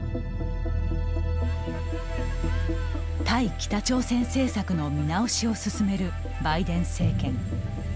対北朝鮮政策の見直しを進めるバイデン政権。